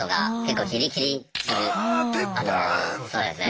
そうですね。